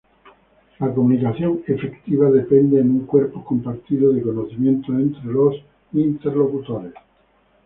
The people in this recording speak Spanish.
La comunicación efectiva depende en un cuerpo compartido de conocimiento entre los interlocutores.